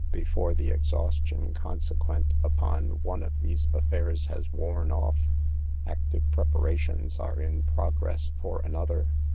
Before the exhaustion consequent upon one of these affairs has worn off, active prepara tions are in progress for another.